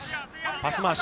パス回し。